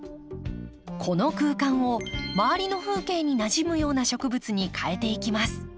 この空間を周りの風景になじむような植物にかえていきます。